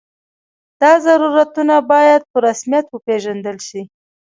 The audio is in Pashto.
دا ضرورتونه باید په رسمیت وپېژندل شي.